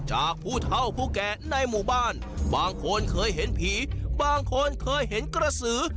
จากผู้เท่าผู้แก่ในหมู่บ้านบางคนเคยเห็นผีบางคนเคยเห็นกระสือ